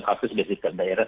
peningkatan kasus di daerah